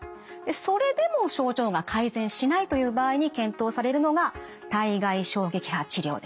それでも症状が改善しないという場合に検討されるのが体外衝撃波治療です。